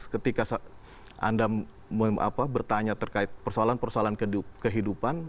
ketika anda bertanya terkait persoalan persoalan kehidupan